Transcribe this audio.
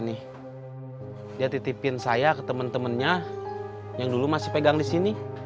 nitipin saya ke temen temennya yang dulu masih pegang di sini